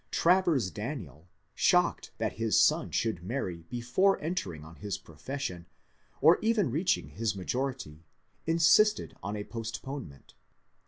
Travers Daniel, shocked that his son should marry before entering on his profession, or even reaching his majority, insisted on a postponement.